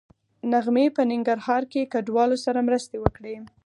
نغمې په ننګرهار کې کډوالو سره مرستې وکړې